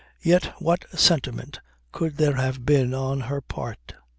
Yet what sentiment could there have been on her part?